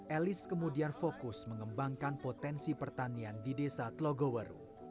elis kemudian fokus mengembangkan potensi pertanian di desa telogoweru